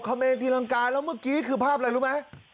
เมนทีรังกาแล้วเมื่อกี้คือภาพอะไรรู้ไหม